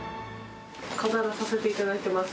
飾らさせていただいています。